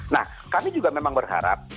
nah kami juga memang berharap